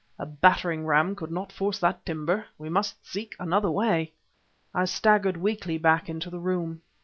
"A battering ram could not force that timber; we must seek another way!" I staggered, weakly, back into the room.